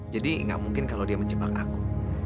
jadi gak mungkin kalau dia menjebak aku